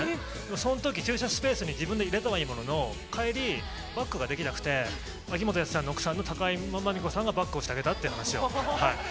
そのとき、駐車スペースに自分で入れたはいいものの、帰り、バックができなくて、秋元康さんの奥さん、たかいまみこさんがバックをしてあげたって話を。